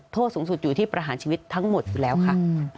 โทษสูงสุดอยู่ที่ประหารชีวิตทั้งหมดอยู่แล้วค่ะ